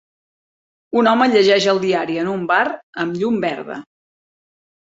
Un home llegeix el diari en un bar amb llum verda.